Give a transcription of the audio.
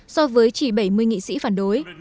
so với chỉ bảy mươi nghị sĩ phản đối